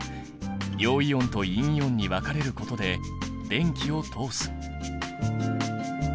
陽イオンと陰イオンに分かれることで電気を通す。